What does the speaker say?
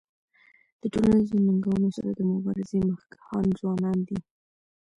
د ټولنیزو ننګونو سره د مبارزې مخکښان ځوانان دي.